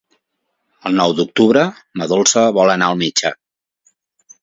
El nou d'octubre na Dolça vol anar al metge.